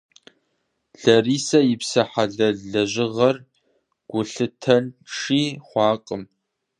Ларисэ и псэ хьэлэл лэжьыгъэр гулъытэнши хъуакъым.